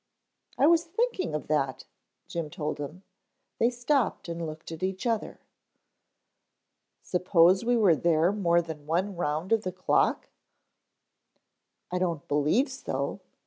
"I was thinking of that," Jim told him. They stopped and looked at each other. "Suppose we were there more than one round of the clock?" "I don't believe so.